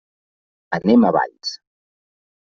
Anem a Valls.